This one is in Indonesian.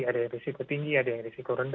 ada yang risiko tinggi ada yang risiko tinggi